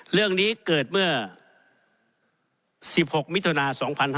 เรื่องนี้เกิดเมื่อ๑๖มิถุนา๒๕๕๙